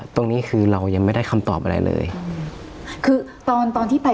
ตรงนี้คือเรายังไม่ได้คำตอบอะไรเลยคือตอนตอนที่ไป